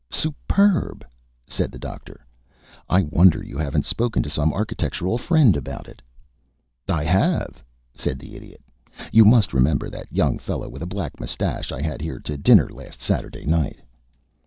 "Superb!" said the Doctor. "I wonder you haven't spoken to some architectural friend about it." "I have," said the Idiot. "You must remember that young fellow with a black mustache I had here to dinner last Saturday night."